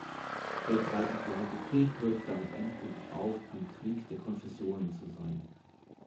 Der Dreißigjährige Krieg hörte damit endgültig auf, ein Krieg der Konfessionen zu sein.